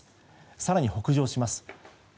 更に北上します。